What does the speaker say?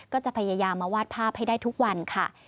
ก็จะพยายามมาวาดภาพให้ได้ทุกวันค่ะ